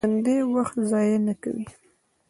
ژوندي وخت ضایع نه کوي